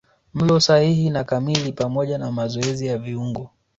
Mlo sahihi na kamili pamoja na mazoezi ya viungo